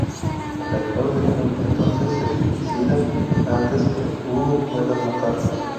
El Ahijado de Qin entonces se suicida antes de que Huo pueda matarlo.